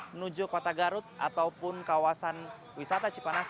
menuju kota garut ataupun kawasan wisata cipanas